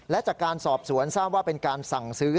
และจากการสอบสวนทราบว่าเป็นการสั่งซื้อ